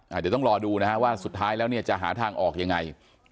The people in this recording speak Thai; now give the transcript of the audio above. เดี๋ยวต้องรอดูนะครับว่าสุดท้ายแล้วจะหาทางออกอย่างไร